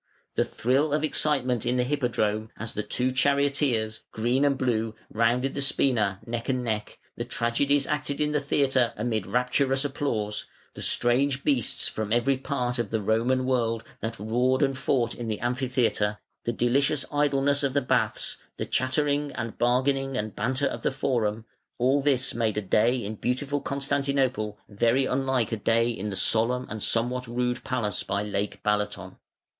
The thrill of excitement in the Hippodrome as the two charioteers, Green and Blue, rounded the spina, neck and neck, the tragedies acted in the theatre amid rapturous applause, the strange beasts from every part of the Roman world that roared and fought in the Amphitheatre, the delicious idleness of the Baths, the chatter and bargaining and banter of the Forum, all this made a day in beautiful Constantinople very unlike a day in the solemn and somewhat rude palace by Lake Balaton.